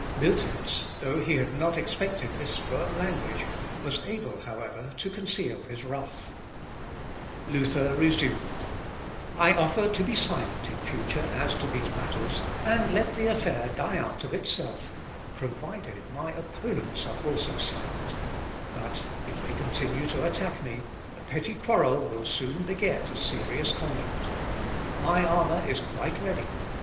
Miltitz, though he had not expected this firm language, was able, however, to conceal his wrath. [Sidenote: LUTHER OFFERS TO BE SILENT.] Luther resumed, "I offer to be silent in future as to these matters, and let the affair die out of itself, provided my opponents also are silent; but if they continue to attack me, a petty quarrel will soon beget a serious combat. My armour is quite ready.